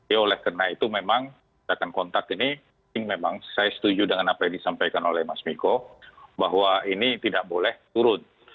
ya oleh karena itu memang kita akan kontak ini memang saya setuju dengan apa yang disampaikan oleh mas miko bahwa ini tidak boleh turun